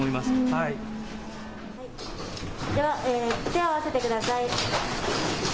手を合わせてください。